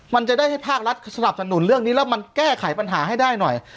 มันจะได้ให้ภาครัฐสนับสนุนเรื่องนี้แล้วมันแก้ไขปัญหาให้ได้หน่อย